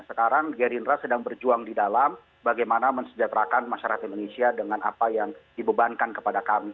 sekarang gerindra sedang berjuang di dalam bagaimana mensejahterakan masyarakat indonesia dengan apa yang dibebankan kepada kami